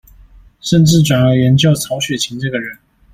甚至轉而研究曹雪芹這個人